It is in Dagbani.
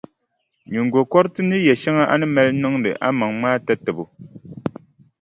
Nyiŋgokɔriti ni yɛʼ shɛŋa a ni mali niŋdi a maŋa maa tatabo.